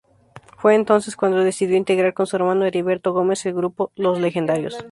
Fue entonces cuando decidió integrar con su hermano Heriberto Gómez el grupo ""Los Legendarios"".